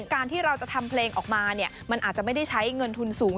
การที่เราจะทำเพลงออกมามันอาจจะไม่ได้ใช้เงินทุนสูง